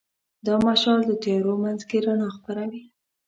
دا مشال د تیارو منځ کې رڼا خپروي.